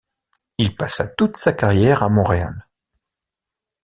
Il passa toute sa carrière à Montréal.